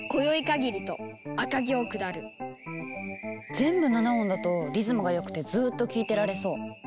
全部７音だとリズムがよくてずっと聴いてられそう。